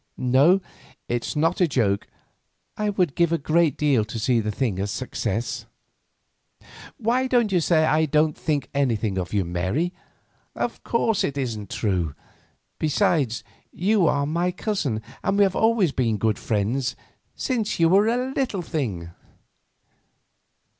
No; it's not a joke. I would give a great deal to see the thing a success." "Why do you say I don't think anything of you, Mary? Of course, it isn't true. Besides, you are my cousin, and we have always been good friends since you were a little thing."